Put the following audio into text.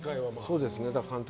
そうですね。